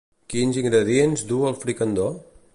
Quins ingredients du el fricandó?